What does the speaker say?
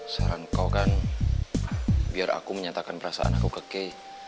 saran kau kan biar aku menyatakan perasaan aku kekeh